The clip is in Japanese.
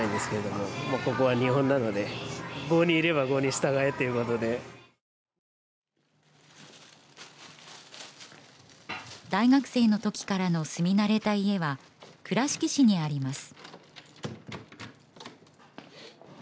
もともと大学生の時からの住み慣れた家は倉敷市にあります